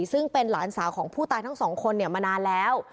ซึ่งเป็นหลานสาวของผู้ตายทั้งสองคนมานานแล้ว